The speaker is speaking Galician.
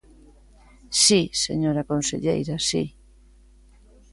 Si, señora conselleira, si.